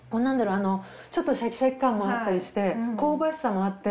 あのちょっとシャキシャキ感もあったりして香ばしさもあって。